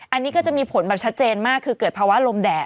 อันนี้ก็จะมีผลแบบชัดเจนมากคือเกิดภาวะลมแดด